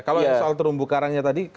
kalau soal terumbu karangnya tadi